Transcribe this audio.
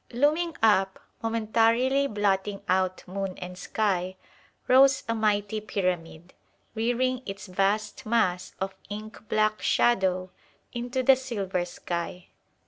Looming up, momentarily blotting out moon and sky, rose a mighty pyramid, rearing its vast mass of ink black shadow into the silver sky.